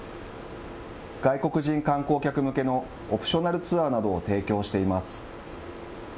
外国人観光客向けのオプショナルツアーなどを提供しています。